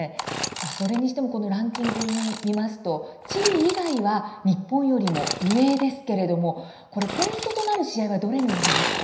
それにしてもランキングを見ますとチリ以外は日本よりも上ですけれともポイントとなる試合はどれになりますか。